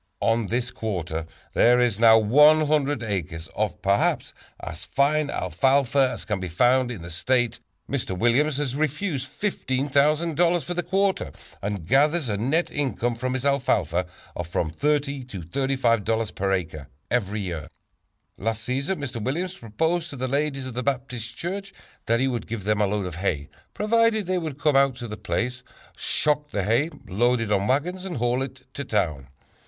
On this quarter there is now 100 acres of, perhaps, as fine alfalfa as can be found in the state. Mr. Williams has refused $15,000 for the quarter and gathers a net income from his alfalfa of from $30 to $35 per acre every year. "Last season Mr. Williams proposed to the ladies of the Baptist church that he would give them a load of hay, provided they would come out to the place, shock the hay, load it on wagons and haul it to town.